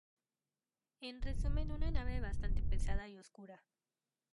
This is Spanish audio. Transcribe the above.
En resumen, una nave bastante pesada y oscura.